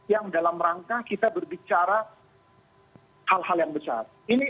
yang dalam rangka kita berbicara hal hal yang besar